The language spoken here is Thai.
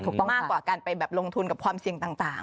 ถูกต้องค่ะมากกว่าการไปลงทุนกับความเสี่ยงต่าง